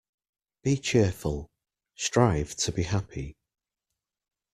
Be cheerful. Strive to be happy.